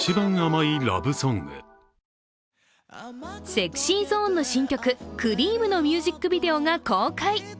ＳｅｘｙＺｏｎｅの新曲「Ｃｒｅａｍ」のミュージックビデオが公開。